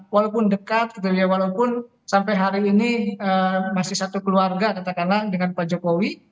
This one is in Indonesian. walaupun dekat walaupun sampai hari ini masih satu keluarga tetap kalang dengan pak jokowi